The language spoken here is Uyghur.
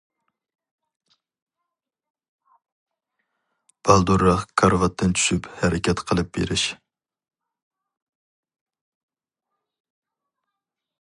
بالدۇرراق كارىۋاتتىن چۈشۈپ ھەرىكەت قىلىپ بېرىش.